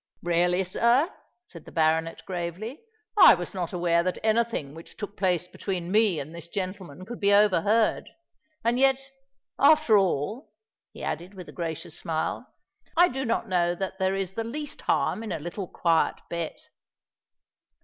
"Really, sir," said the baronet, gravely, "I was not aware that any thing which took place between me and this gentleman could be overheard;—and yet, after all," he added with a gracious smile, "I do not know that there is the least harm in a little quiet bet."